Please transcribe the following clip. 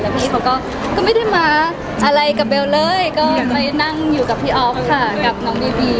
พี่เขาก็ไม่ได้มาอะไรกับเบลเลยก็ไปนั่งอยู่กับพี่อ๊อฟค่ะกับน้องดีบี